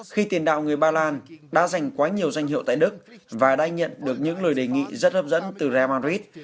khi tiền đạo người ba lan đã dành quá nhiều danh hiệu tại đức và đã nhận được những lời đề nghị rất hấp dẫn từ real madrid